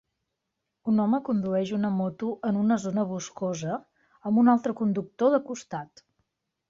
Un home condueix una moto en una zona boscosa, amb un altre conductor de costat.